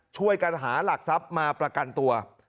ช่วยกันหาหลักทรัพย์มาประกันตัว